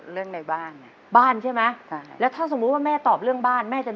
เรื่องในบ้าน